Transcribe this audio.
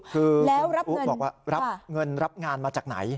คืออุ๊บอกว่ารับเงินรับงานมาจากไหน